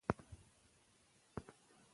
که درسي میتود وي نو موضوع نه پټیږي.